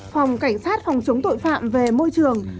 phòng cảnh sát phòng chống tội phạm về môi trường